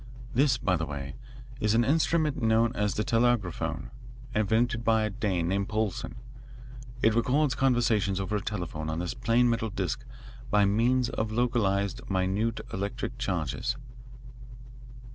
"This, by the way, is an instrument known as the telegraphone, invented by a Dane named Poulsen. It records conversations over a telephone on this plain metal disc by means of localised, minute electric charges."